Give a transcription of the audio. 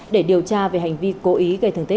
để điều tra về hành vi cội